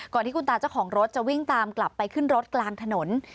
ที่คุณตาเจ้าของรถจะวิ่งตามกลับไปขึ้นรถกลางถนน